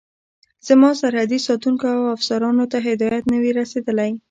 زما سرحدي ساتونکو او افسرانو ته هدایت نه وي رسېدلی.